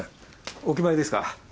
お決まりですか？